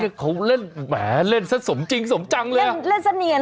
อ่าแหล่ะเล่นสมจริงสมจังเลย